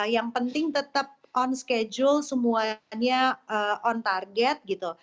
yang penting tetap on schedule semuanya on target gitu